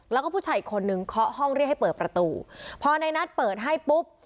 แล้วก็ผู้ชายอีกคนนึงเคาะห้องเรียกให้เปิดประตูพอในนัทเปิดให้ปุ๊บ